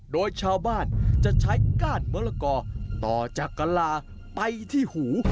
โดยชาวบ้านจะใช้ก้านมะละกอต่อจากกะลาไปที่หู